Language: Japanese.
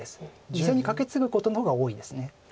２線にカケツグことの方が多いです。